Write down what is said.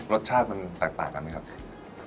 รสชาติมันแตกต่างกันไหมครับ